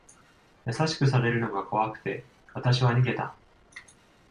優しくされるのが怖くて、わたしは逃げた。